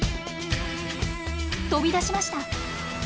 飛び出しました！